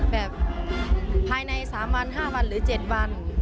แบบภายใน๓วัน๕วันหรือ๗วัน